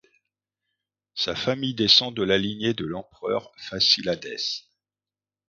Sa famille descend de la lignée de l'empereur Fasiladès.